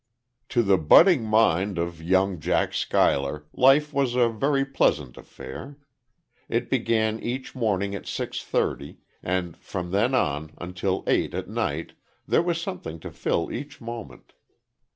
To the budding mind of young Jack Schuyler, life was a very pleasant affair. It began each morning at six thirty; and from then on until eight at night, there was something to fill each moment.